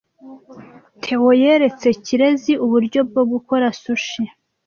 Theo yeretse Kirezi uburyo bwo gukora sushi.